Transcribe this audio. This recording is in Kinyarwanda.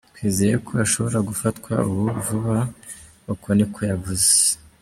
Twizeye ko ashobora gufatwa ubu vuba”, uko ni ko yavuze.